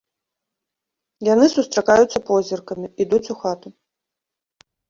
Яны сустракаюцца позіркамі, ідуць у хату.